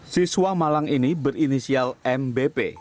siswa malang ini berinisial mbp